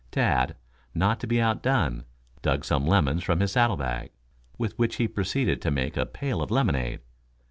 Tad, not to be out done, dug some lemons from his saddle bag, with which he proceeded to make a pail of lemonade.